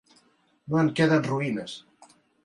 No en queden ruïnes.